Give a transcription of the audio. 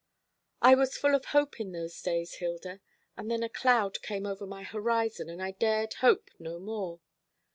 I was full of hope in those days, Hilda; and then a cloud came over my horizon and I dared hope no more.